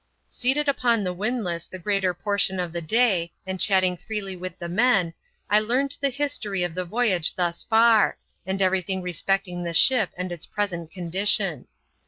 Seated upon the windlass the greater portion of the day, and chatting freely with the men, I learned the history of the voyage thus far, and every thing respecting the ship and its present condition.